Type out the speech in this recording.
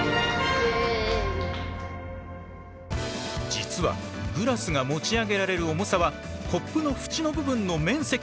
実はグラスが持ち上げられる重さはコップの縁の部分の面積で決まる。